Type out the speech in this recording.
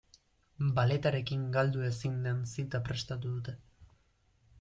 Balletarekin galdu ezin den zita prestatu dute.